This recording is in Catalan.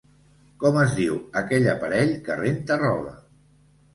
Com es diu aquell aparell que renta roba?